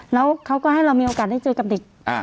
แล้วเขาก็ให้เรามีโอกาสได้เจอกับเด็ก